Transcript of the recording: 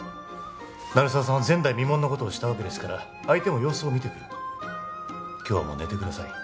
鳴沢さんは前代未聞のことをしたわけですから相手も様子を見てくる今日はもう寝てください